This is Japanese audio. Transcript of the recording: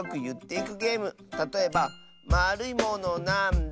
たとえば「まるいものなんだ？」